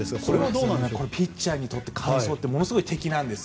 ピッチャーにとって乾燥ってものすごい敵なんです。